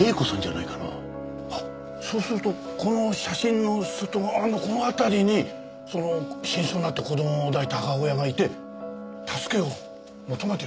あっそうするとこの写真の外側のこの辺りにその死にそうになった子供を抱いた母親がいて助けを求めてる。